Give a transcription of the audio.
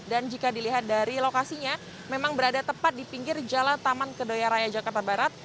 dan jika dilihat dari lokasinya memang berada tepat di pinggir jalan taman kedoya raya jakarta barat